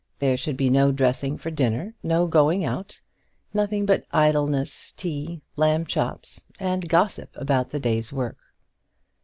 There should be no dressing for dinner, no going out, nothing but idleness, tea, lamb chops, and gossip about the day's work.